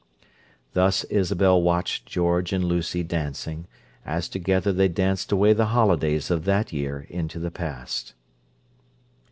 Thus Isabel watched George and Lucy dancing, as together they danced away the holidays of that year into the past.